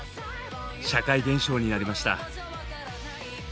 社会現象になりました。